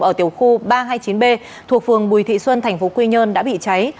ở tiểu khu ba trăm hai mươi chín b thuộc phường bùi thị xuân tp quy nhơn đã bị cháy